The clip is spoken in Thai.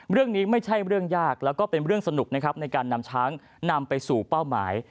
เรื่องนี้ไม่ใช่เรื่องยากแล้วก็เป็นเรื่องสนุกในการนำช้างนำไปสู่เป้าหมาย